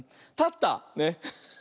たった。ね。